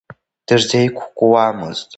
Дырзеиқәкуамызт.